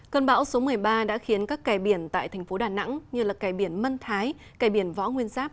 cơn bão số một mươi ba đã khiến các kè biển tại thành phố đà nẵng như kè biển mân thái kẻ biển võ nguyên giáp